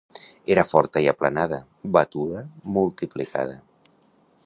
Era forta i aplanada, batuda multiplicada.